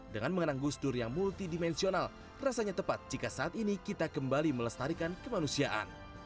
dengan mengenang gus dur yang multidimensional rasanya tepat jika saat ini kita kembali melestarikan kemanusiaan